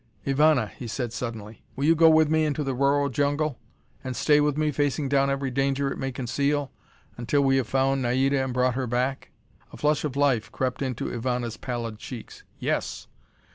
"Ivana," he said suddenly, "will you go with me into the Rorroh jungle, and stay with me, facing down every danger it may conceal, until we have found Naida and brought her back?" A flush of life crept into Ivana's pallid cheeks. "Yes!"